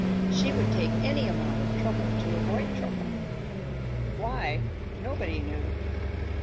She would take any amount of trouble to avoid trouble. Why, nobody knew.